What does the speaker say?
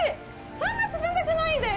そんな冷たくないです。